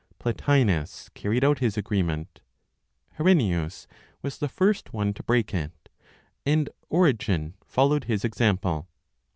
Plotinos carried out his agreement. Herennius was the first one to break it, and Origen followed his example.